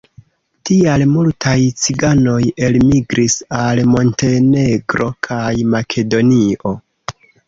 Tial multaj ciganoj elmigris al Montenegro kaj Makedonio.